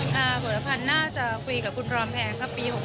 ถ้าผลพันธ์น่าจะคุยกับคุณรอมแพงก็ปี๖๖